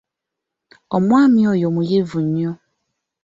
Omwani oyo muyivu nnyo.